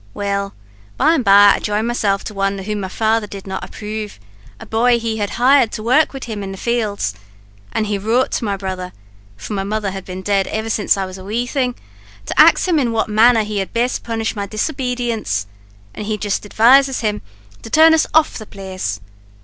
Well, by and by, I joined myself to one whom my father did not approve a bhoy he had hired to work wid him in the fields an' he wrote to my brother (for my mother had been dead ever since I was a wee thing) to ax him in what manner he had best punish my disobedience; and he jist advises him to turn us off the place.